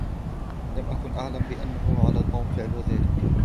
لم أكن أعلم بأنه على توم فعل ذلك.